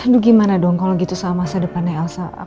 aduh gimana dong kalau gitu sama masa depannya elsa